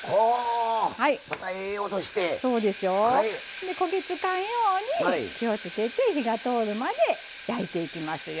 で焦げ付かんように気をつけて火が通るまで焼いていきますよ。